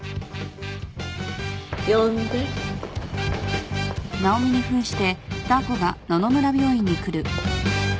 呼んで。